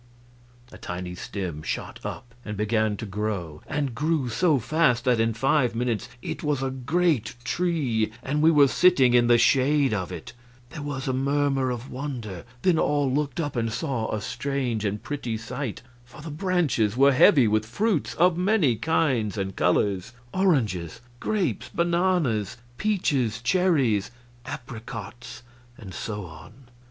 A tiny stem shot up and began to grow, and grew so fast that in five minutes it was a great tree, and we were sitting in the shade of it. There was a murmur of wonder, then all looked up and saw a strange and pretty sight, for the branches were heavy with fruits of many kinds and colors oranges, grapes, bananas, peaches, cherries, apricots, and so on.